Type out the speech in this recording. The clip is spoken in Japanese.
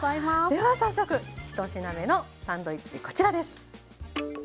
では早速１品目のサンドイッチこちらです。